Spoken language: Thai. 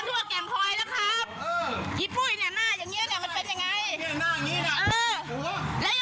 รถนี้ถามหัวมันด้วย